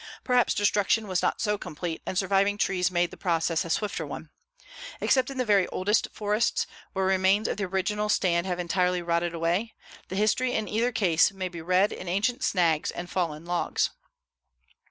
Perhaps destruction was not so complete and surviving trees made the process a swifter one. Except in the very oldest forests, where remains of the original stand have entirely rotted away, the history in either case may be read in ancient snags and fallen logs.